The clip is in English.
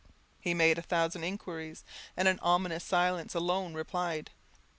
He made a thousand inquiries, and an ominous silence alone replied.